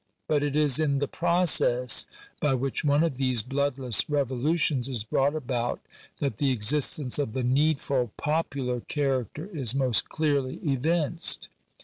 But it is in the process by which one of these bloodless revo lutions is brought about that the existence of the needful popular character is most clearly evinced.